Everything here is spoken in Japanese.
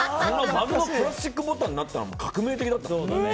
丸のプラスチックのボタンになったのが革命的だったの。